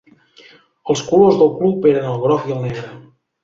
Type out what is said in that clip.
Els colors del club eren el groc i el negre.